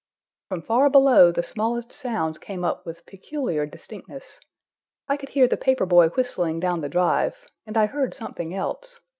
From far below the smallest sounds came up with peculiar distinctness. I could hear the paper boy whistling down the drive, and I heard something else.